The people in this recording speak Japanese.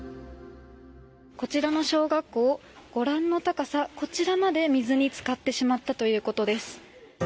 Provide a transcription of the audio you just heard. こちらの小学校ご覧の高さこちらまで水につかってしまったということです。